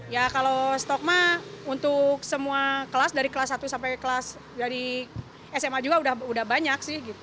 ya kalau stok mah untuk semua kelas dari kelas satu sampai kelas dari sma juga udah banyak sih